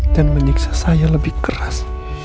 dan menyiksa saya lebih keras